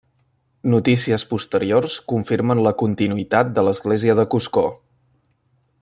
Notícies posteriors confirmen la continuïtat de l'església de Coscó.